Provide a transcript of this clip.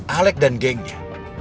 alek dan gengnya